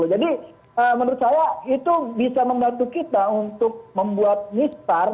jadi menurut saya itu bisa membantu kita untuk membuat mistar